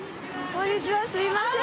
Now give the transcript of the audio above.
こんにちはすいません。